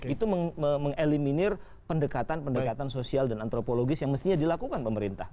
itu mengeliminir pendekatan pendekatan sosial dan antropologis yang mestinya dilakukan pemerintah